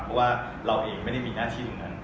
เพราะว่าเราเองไม่ได้มีหน้าที่ตรงนั้น